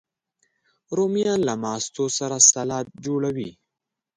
رومیان له ماستو سره سالاد جوړوي